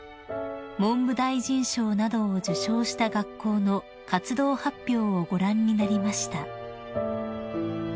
［文部大臣賞などを受賞した学校の活動発表をご覧になりました］